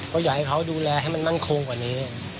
ก็อยากให้เขาดูแลให้มันมั่นคงกว่านี้